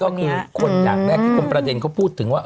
คือเมื่อวานนี้ก็คือคนอย่างแรกที่ผมประเด็นเขาพูดถึงว่า